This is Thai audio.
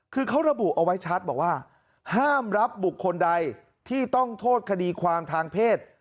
คือเขาระบุเอาไว้ชัดบอกว่าห้ามรับบุคคลใดที่ต้องโทษคดีความทางเพศ